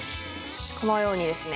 このようにですね。